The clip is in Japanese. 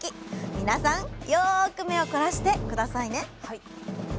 皆さんよく目を凝らして下さいね！